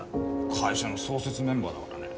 会社の創設メンバーだからね。